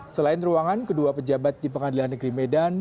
selain ruangan kedua pejabat di pengadilan negeri medan